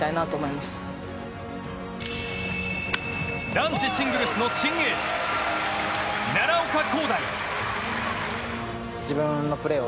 男子シングルスの新エース奈良岡功大。